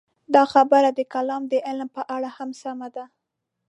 دا خبره د کلام د علم په اړه هم سمه ده.